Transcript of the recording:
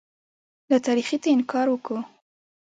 له تاریخیته انکار وکوو.